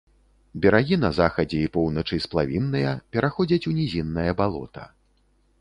Берагі на захадзе і поўначы сплавінныя, пераходзяць у нізіннае балота.